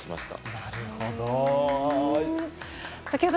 なるほど。